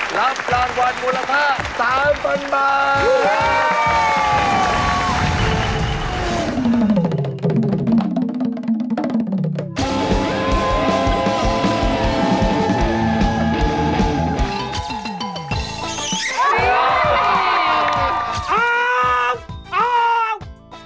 รับรางวัลมูลค่า๓๐๐๐บาท